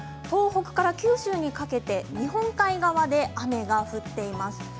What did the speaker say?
東北から九州にかけて日本海側で雨が降っています。